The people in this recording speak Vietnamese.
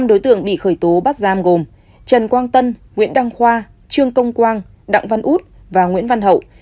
năm đối tượng bị khởi tố bắt giam gồm trần quang tân nguyễn đăng khoa trương công quang đặng văn út và nguyễn văn hậu